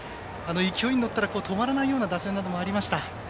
勢いに乗ったら止まらないような打線などもありました。